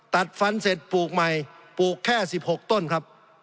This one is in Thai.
ตัดฟันเสร็จปลูกใหม่ปลูกแค่๑๖ต้นครับ